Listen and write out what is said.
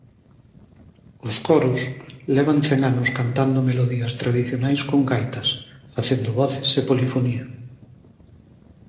Os coros levan cen anos cantando melodías tradicionais con gaitas, facendo voces e polifonía...